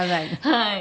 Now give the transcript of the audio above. はい。